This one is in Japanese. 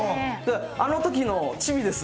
あのときのちびです。